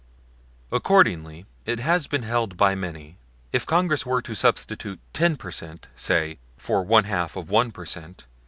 Accordingly, it has been held by many, if Congress were to substitute ten per cent., say, for one half of one per cent.